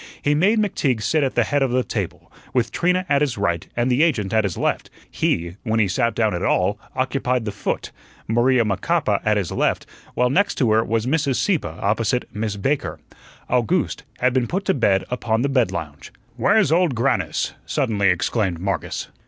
He made McTeague sit at the head of the table, with Trina at his right and the agent at his left; he when he sat down at all occupied the foot, Maria Macapa at his left, while next to her was Mrs. Sieppe, opposite Miss Baker. Owgooste had been put to bed upon the bed lounge. "Where's Old Grannis?" suddenly exclaimed Marcus.